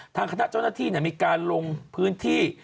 ทางคณะเจ้าหน้าที่มีการลงพื้นที่